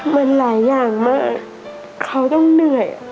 มันหลายอย่างมากเขาต้องเหนื่อย